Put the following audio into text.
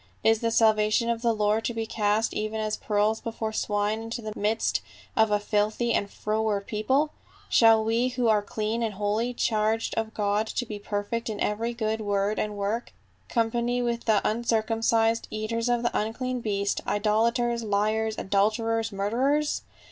Is the salvation of the Lord to be cast even as pearls before swine into the midst of a filthy and froward people ? Shall we who are clean and holy, charged of God to be perfect in every good word and work, company with the uncircumcised, eaters of the unclean beast, idolaters, liars, adulterers, murderers